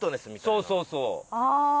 そうそうそう。